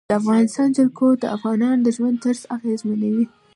د افغانستان جلکو د افغانانو د ژوند طرز اغېزمنوي.